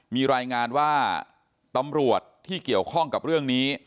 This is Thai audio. มีรายงานว่าตำรวจที่เกี่ยวข้องกับเรื่องนี้